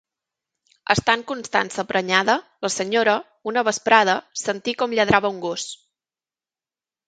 Estant Constança prenyada, la senyora, una vesprada, sentí com lladrava un gos.